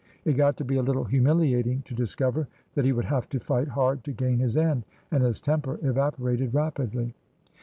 It got to be a little humiliating to discover that he would have to fight hard to gain his end, and his temper evaporated rapidly.